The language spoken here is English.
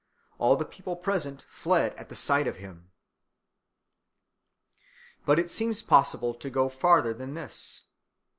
All the people present fled at the sight of him. But it seems possible to go farther than this.